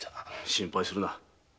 心配するな。